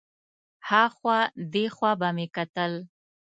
ها خوا دې خوا به مې کتل.